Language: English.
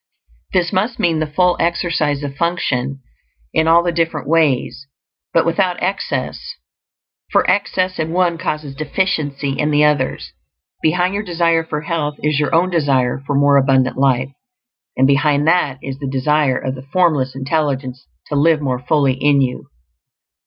This must mean the full exercise of function in all the different ways, but without excess; for excess in one causes deficiency in the others. Behind your desire for health is your own desire for more abundant life; and behind that is the desire of the Formless Intelligence to live more fully in you.